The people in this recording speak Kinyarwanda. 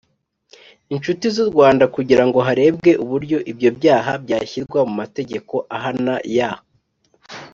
inshuti z u Rwanda kugira ngo harebwe uburyo ibyo byaha byashyirwa mu mategeko ahana y